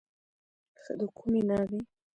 ښه د کومې ناوې.